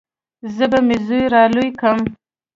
زه به مې زوى رالوى کم.